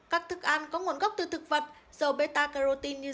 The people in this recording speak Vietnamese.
các thức ăn có nguồn gốc từ thực vật dầu beta carotene như